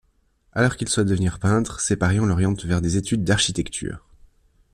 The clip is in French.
Alors qu'il souhaite devenir peintre, ses parents l'orientent vers des études d'architecture.